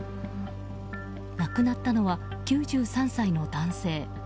亡くなったのは９３歳の男性。